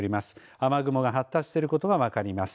雨雲が発達していることが分かります。